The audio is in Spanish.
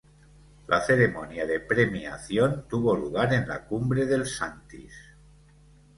La ceremonia de premiación tuvo lugar en la cumbre del Santis.